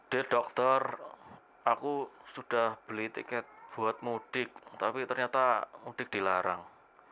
dea dokter aku sudah beli tiket buat mudik tapi ternyata mudik dilarang